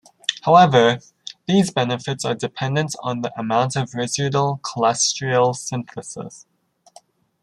However, these benefits are dependent on the amount of residual cholesterol synthesis.